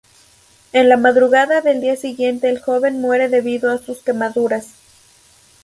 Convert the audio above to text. En la madrugada del día siguiente el joven muere debido a sus quemaduras.